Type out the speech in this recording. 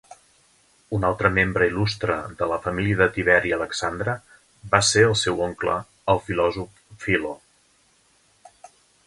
Un altre membre il·lustre de la família de Tiberi Alexandre va ser el seu oncle, el filòsof Philo.